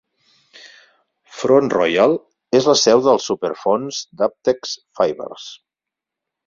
Front Royal és la seu del Superfons d'Avtex Fibers.